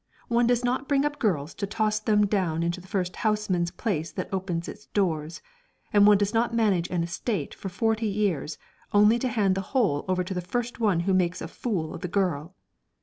One does not bring up girls to toss them down into the first houseman's place that opens its doors, and one does not manage an estate for forty years only to hand the whole over to the first one who makes a fool of the girl.